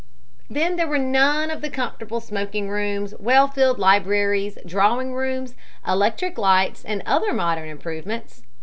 Then there were none of the comfortable smoking rooms, well filled libraries, drawing rooms, electric lights, and other modern improvements.